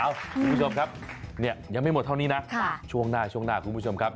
เอ้าคุณผู้ชมครับเนี่ยยังไม่หมดเท่านี้นะช่วงหน้าคุณผู้ชมครับ